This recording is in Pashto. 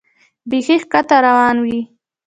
بیخي ښکته روان وې.